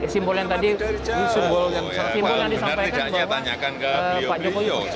simbol yang tadi disampaikan bahwa pak jokowi